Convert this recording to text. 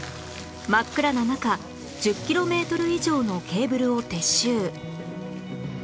真っ暗な中１０キロメートル以上のケーブルを撤収